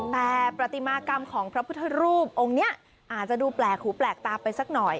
แต่ปฏิมากรรมของพระพุทธรูปองค์นี้อาจจะดูแปลกหูแปลกตาไปสักหน่อย